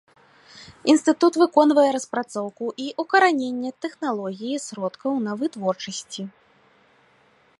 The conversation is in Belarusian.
Інстытут выконвае распрацоўку і ўкараненне тэхналогій і сродкаў на вытворчасці.